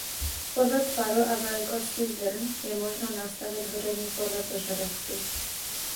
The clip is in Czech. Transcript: Podle tvaru a velikosti zrn je možno "nastavit" hoření podle požadavků.